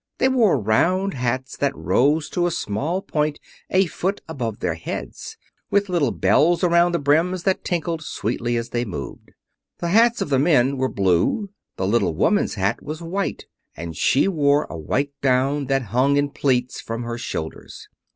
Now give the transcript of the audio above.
They wore round hats that rose to a small point a foot above their heads, with little bells around the brims that tinkled sweetly as they moved. The hats of the men were blue; the little woman's hat was white, and she wore a white gown that hung in pleats from her shoulders.